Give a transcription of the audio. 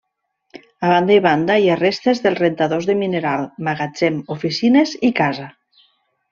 A banda i banda hi ha restes dels rentadors de mineral, magatzem, oficines i casa.